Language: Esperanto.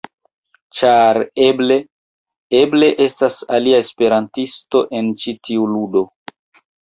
Ĉar eble... eble estas alia esperantisto en ĉi tiu ludo.